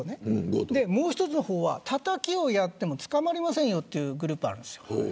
もう１つは、たたきをやっても捕まりませんよというグループがあるんです。